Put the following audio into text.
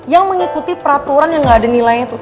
yang mengikuti peraturan yang gak ada nilainya tuh